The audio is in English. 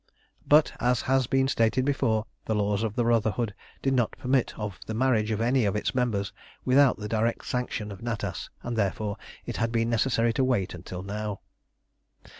But, as has been stated before, the laws of the Brotherhood did not permit of the marriage of any of its members without the direct sanction of Natas, and therefore it had been necessary to wait until now.